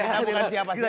kita bukan siapa siapa